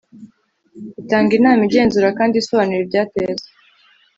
itanga inama igenzura kandi isobanura ibyateza